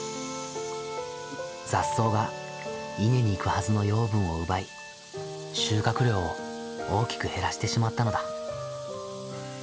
雑草が稲にいくはずの養分を奪い収穫量を大きく減らしてしまったのだ。